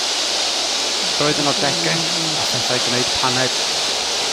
Roedd yno degell a phethau gwneud paned.